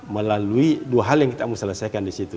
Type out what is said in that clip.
melalui dua hal yang kita mau selesaikan di situ